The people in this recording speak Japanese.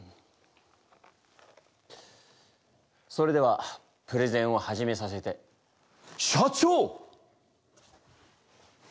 それではプレゼンを始めさせて社長！